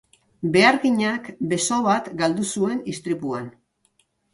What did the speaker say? Beharginak beso bat galdu zuen istripuan.